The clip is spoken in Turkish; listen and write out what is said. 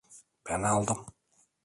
Ben aldım.